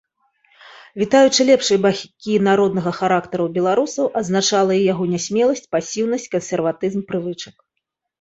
Вітаючы лепшыя бакі народнага характару беларусаў, адзначала і яго нясмеласць, пасіўнасць, кансерватызм прывычак.